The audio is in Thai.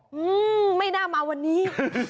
อืมไม่น่ามาวันนี้